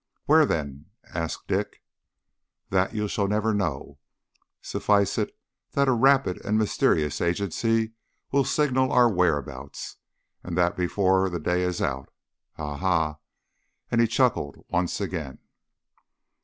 "Where then?" asked Dick. "That you shall never know. Suffice it that a rapid and mysterious agency will signal our whereabouts, and that before the day is out. Ha, ha!" and he chuckled once again.